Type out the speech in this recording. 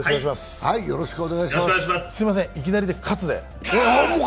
すいません、いきなりで喝で。